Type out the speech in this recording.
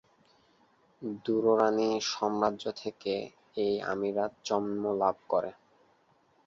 দুররানি সাম্রাজ্য থেকে এই আমিরাত জন্মলাভ করে।